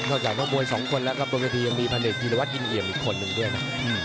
นอกจากน้องมวย๒คนแล้วก็ปกติยังมีพนักศิลวัฒน์อินเหยียมอีกคนหนึ่งด้วยนะ